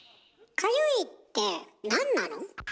かゆいってなんなの？